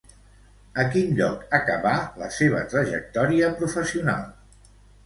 A quin lloc acabà la seva trajectòria professional?